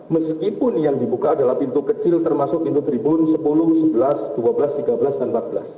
meskipun yang dibuka adalah pintu kecil termasuk pintu tribun sepuluh sebelas dua belas tiga belas dan empat belas